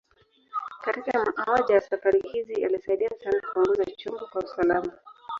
Katika moja ya safari hizi, alisaidia sana kuongoza chombo kwa usalama.